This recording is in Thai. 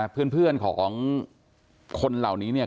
เพื่อนของคนเหล่านี้เนี่ย